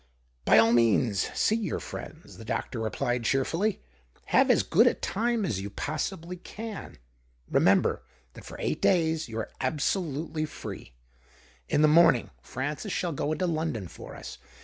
" By all means see your friends," the doctor replied, cheerfully. " Have as good a time as you possibly can. Remember that for eight days you are absolutely free. In the morninoj Francis shall sro into London for us.